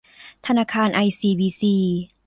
ธนาคารไอซีบีซี